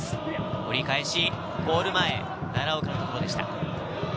折り返しゴール前、奈良岡のところでした。